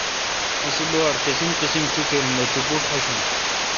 اسےلوآٹ قسیم قسیمچوکیر ام دا چوپوٹ آݭونس